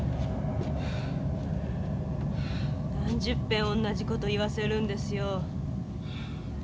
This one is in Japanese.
何十ぺん同じ事を言わせるんですよ。